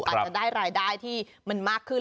อาจจะได้รายได้ที่มันมากขึ้น